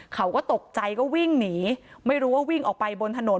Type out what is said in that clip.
เขาก็ตกใจก็วิ่งหนีไม่รู้ว่าวิ่งออกไปบนถนน